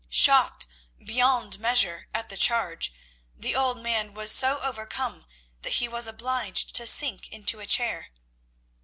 Shocked beyond measure at the charge, the old man was so overcome that he was obliged to sink into a chair.